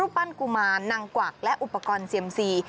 ปั้นกุมารนางกวักและอุปกรณ์เซียมซี